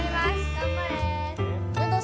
頑張れ。